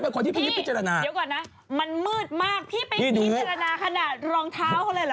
พี่ไปพิเศษระนาขนาดรองเท้าอะไรหรอ